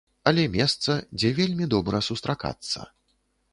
Але месца, дзе вельмі добра сустракацца.